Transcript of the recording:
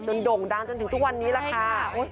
โด่งดังจนถึงทุกวันนี้แหละค่ะ